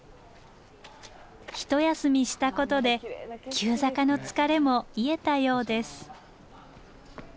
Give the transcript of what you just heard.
一休みしたことで急坂の疲れも癒えたようです。